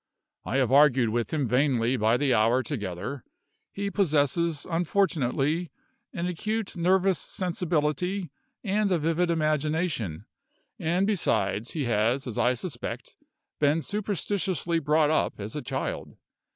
I have argued with him vainly by the hour together. He possesses, unfortunately, an acute nervous sensibility and a vivid imagination; and besides, he has, as I suspect, been superstitiously brought up as a child.